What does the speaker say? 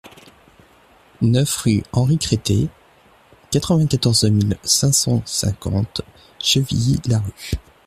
neuf rue Henri Cretté, quatre-vingt-quatorze mille cinq cent cinquante Chevilly-Larue